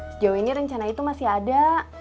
sejauh ini rencana itu masih ada